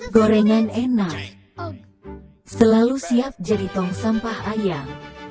gorengan enak selalu siap jadi tong sampah ayam